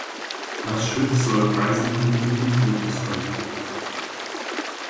Das Schiff soll Reisen rund um den Globus anbieten.